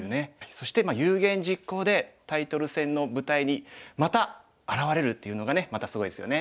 そして有言実行でタイトル戦の舞台にまた現れるっていうのがねまたすごいですよね。